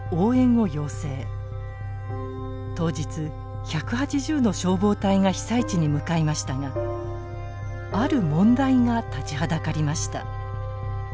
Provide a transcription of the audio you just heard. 当日１８０の消防隊が被災地に向かいましたがある問題が立ちはだかりました。